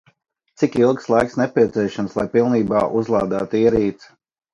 Cik ilgs laiks nepieciešams, lai pilnībā uzlādētu ierīci?